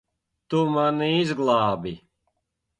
Tu mani izglābi.